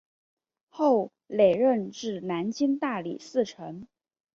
后累任至南京大理寺丞。